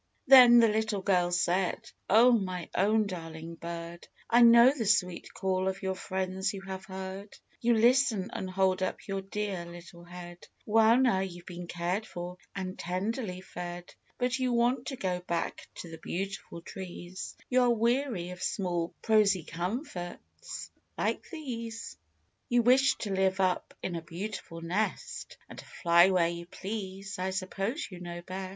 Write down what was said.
Then the little girl said, " 0, my own darling bird, I know the sweet call of your friends you have heard ; You listen, and hold up your dear little head ; Well, now you've been cared for, and tenderly fed; But you want to go back to the beautiful trees ; You are weary of small, prosy comforts like these. You wish to live up in a beautiful nest, And fly where you please; I suppose you know best.